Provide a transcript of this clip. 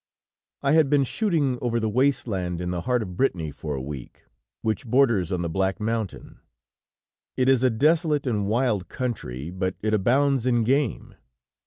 "I had been shooting over the waste land in the heart of Brittany for a week, which borders on the Black Mountain. It is a desolate and wild country, but it abounds in game.